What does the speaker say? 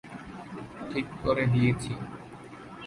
ঠিক করে দিয়েছি!